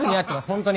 本当に。